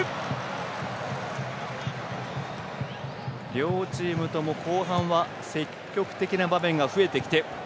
両チームとも後半は積極的な場面が増えてきた。